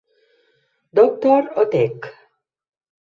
Doctor" o "Tek.